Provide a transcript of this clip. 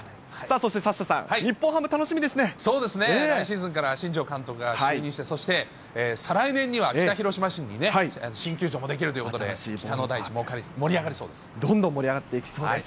そうですね。来シーズンから新庄監督が就任して、そして、再来年には北広島市に新球場も出来るということで、北の大地、どんどん盛り上がっていきそうです。